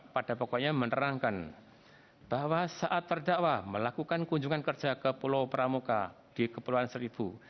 pada pokoknya menerangkan bahwa saat terdakwa melakukan kunjungan kerja ke pulau pramuka di kepulauan seribu